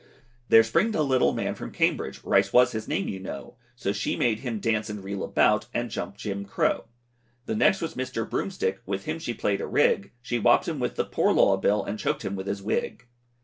There Springed a little man from Cambridge, Rice was his name you know, So she made him dance and reel about, And jump Jim Crow. The next was Mr. Broomstick, With him she play'd a rig, She wopped him with the Poor Law Bill, And choked him with his wig.